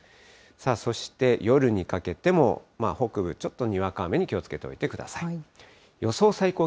そして夜にかけても、北部、ちょっとにわか雨に気をつけておいてください。